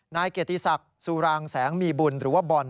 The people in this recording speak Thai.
นายเกียรติศักดิ์สุรางแสงมีบุญหรือว่าบอล